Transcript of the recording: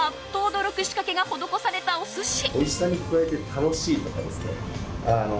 驚く仕掛けが施されたお寿司。